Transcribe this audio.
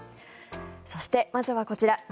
そして、まずはこちら。